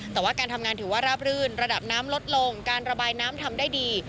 แต่ว่าการทำงานถือว่าราบรื่นระดับน้ำลดลงการระบายน้ำทำได้ดี